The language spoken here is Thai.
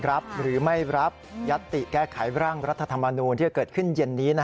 รับหรือไม่รับยัตติแก้ไขร่างรัฐธรรมนูลที่จะเกิดขึ้นเย็นนี้